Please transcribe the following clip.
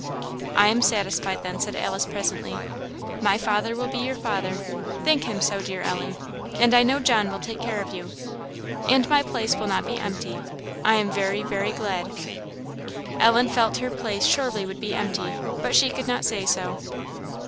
"I am satisfied, then," said Alice, presently. "My father will be your father think him so, dear Ellie and I know John will take care of you. And my place will not be empty. I am very, very glad." Ellen felt her place surely would be empty, but she could not say so.